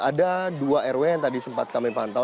ada dua rw yang tadi sempat kami pantau